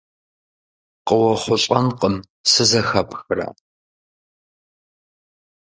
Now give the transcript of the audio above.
КъыуэхъулӀэнукъым, сызэхэпхрэ?